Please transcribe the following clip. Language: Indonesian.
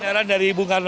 kendaraan dari bung karno